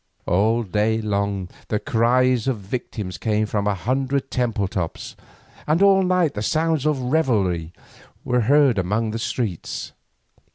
All day long the cries of victims came from a hundred temple tops, and all night the sounds of revelry were heard among the streets.